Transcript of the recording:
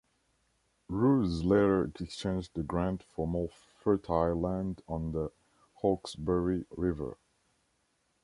Ruse later exchanged the grant for more fertile land on the Hawkesbury River.